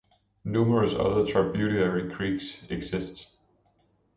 Numerous other tributary creeks exist.